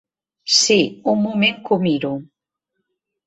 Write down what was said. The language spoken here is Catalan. Sí, un moment que ho miro.